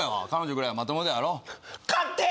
彼女ぐらいまともであろう硬え